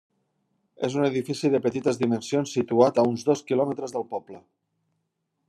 És un edifici de petites dimensions situat a uns dos quilòmetres del poble.